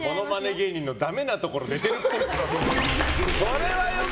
芸人のダメなところ出てるっぽい。